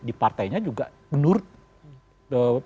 di partainya juga menurut